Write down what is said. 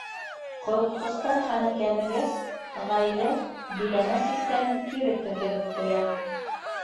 Ҡоротҡостар һаны кәмегәс, ғаилә биләмә сиктәрен кире тергеҙеп ҡуя.